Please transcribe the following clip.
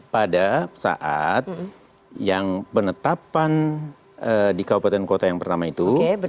pada saat yang penetapan di kpu yang pertama itu